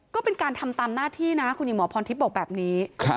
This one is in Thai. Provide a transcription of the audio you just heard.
ก็เป็นการทำตามหน้าที่นะคุณหญิงหมอพรทิพย์บอกแบบนี้